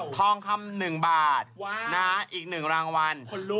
ทองคำ๑บาทอีก๑รางวัล